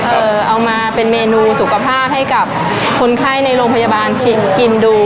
เอามาเป็นเมนูสุขภาพให้กับคนไข้ในโรงพยาบาลชิงกินดู